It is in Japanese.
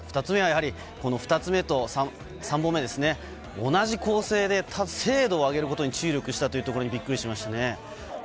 ２つ目は２本目と３本目、同じ構成で精度を上げることに注力したということにびっくりしました。